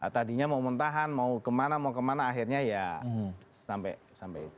tadinya mau mentahan mau kemana mau kemana akhirnya ya sampai itu